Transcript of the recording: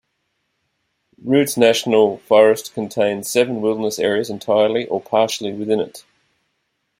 Routt National Forest contains seven wilderness areas entirely or partially within it.